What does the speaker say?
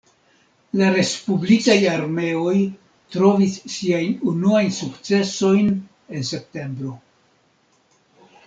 La respublikaj armeoj trovis siajn unuajn sukcesojn en septembro.